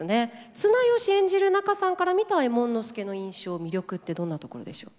綱吉演じる仲さんから見た右衛門佐の印象魅力ってどんなところでしょう？